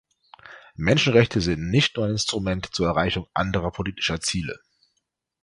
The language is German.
Menschenrechte sind nicht nur ein Instrument zur Erreichung anderer politischer Ziele.